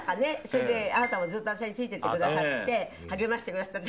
それであなたもずっと私についててくださって励ましてくださった。